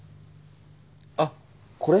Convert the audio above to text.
あっこれ？